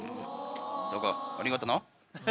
そうかありがとうな。